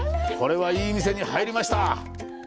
これはいい店に入りました。